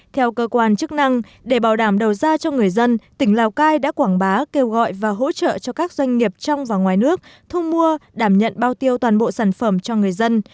theo cơ quan chức năng để bảo đảm đầu ra cho người dân tỉnh lào cai đã quảng bá kêu gọi và hỗ trợ cho các doanh nghiệp trong và ngoài nước thu mua đảm nhận bao tiêu toàn bộ sản phẩm cho người dân